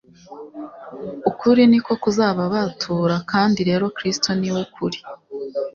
«Ukuri ni ko kuzababatura» kandi rero Kristo ni we kuri.